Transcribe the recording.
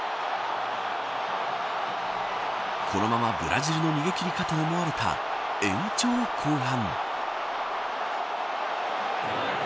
このまま、ブラジルの逃げ切りかと思われた延長後半。